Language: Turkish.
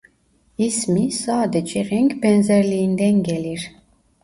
İsmi sadece renk benzerliğinden gelir.